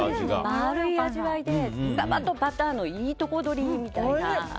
丸い味わいでサバとバターのいいとこどりみたいな。